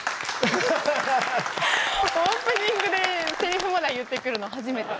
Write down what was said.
オープニングでせりふまで言ってくるの初めて。